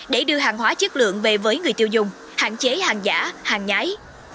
để đưa hàng hóa chất lượng về với người tiêu dùng hạn chế hàng giả hàng nhái